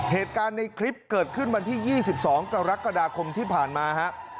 เหตุการณ์ในคลิปเกิดขึ้นวันที่๒๒กรกฎาคมที่ผ่านมาฮะ